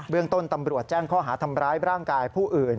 เรื่องต้นตำรวจแจ้งข้อหาทำร้ายร่างกายผู้อื่น